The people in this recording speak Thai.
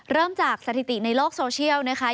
เริ่มจากสถิติในโลกโซเชียลนะคะ